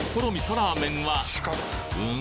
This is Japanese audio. ラーメンはん？